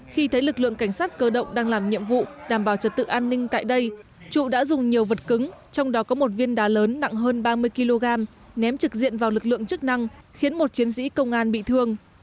khi thấy lực lượng cảnh sát cơ động đang làm nhiệm vụ đảm bảo trật tự an ninh tại đây trụ đã dùng nhiều vật cứng trong đó có một viên đá lớn nặng hơn ba mươi kg ném trực diện vào lực lượng chức năng khiến một chiến sĩ công an bị thương